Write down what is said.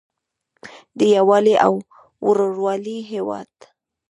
د یووالي او ورورولۍ هیواد.